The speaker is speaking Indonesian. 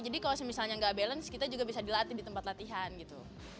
jadi kalau misalnya gak balance kita juga bisa dilatih di tempat latihan gitu